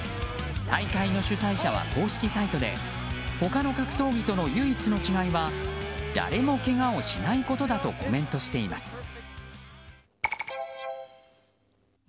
大会の主催者は公式サイトで他の格闘技との唯一の違いは誰もけがをしないことだとコメントしています。